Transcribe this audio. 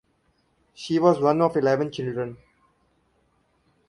She was one of eleven children.